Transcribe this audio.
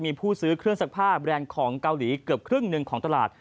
มีผู้ซื้อเครื่องซักผ้าแบรนด์ของเกาหลีเกือบครึ่งหนึ่งของตลาด